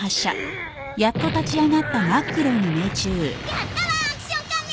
やったわアクション仮面！